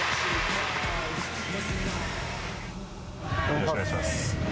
よろしくお願いします。